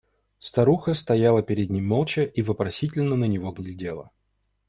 Старуха стояла перед ним молча и вопросительно на него глядела.